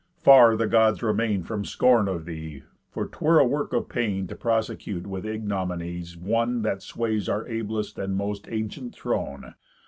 Far the Gods remain From scorn of thee, for 'twere a work of pain To prosecute with ignominies one That sways our ablest and most ancient throne.